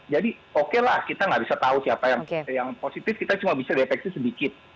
jadi oke lah kita nggak bisa tahu siapa yang positif kita cuma bisa deteksi sedikit